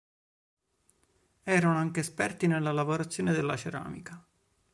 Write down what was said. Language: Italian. Erano anche esperti nella lavorazione della ceramica.